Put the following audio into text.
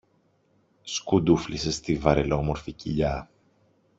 σκουντούφλησε στη βαρελόμορφη κοιλιά